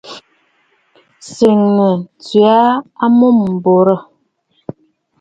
Ǹtsena tswe aa amûm m̀borǝ̀.